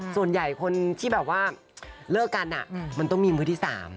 ส่วนใหญ่คนที่แบบว่าเลิกกันมันต้องมีมือที่๓